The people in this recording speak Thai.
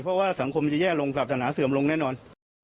เพราะว่าสังคมมันจะแย่ลงศาสนาเสื่อมลงแน่นอน